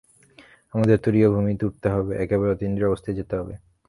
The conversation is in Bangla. আমাদের তুরীয় ভূমিতে উঠতে হবে, একেবারে অতীন্দ্রিয় অবস্থায় যেতে হবে।